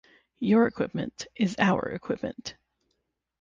Your equipment is our equipment.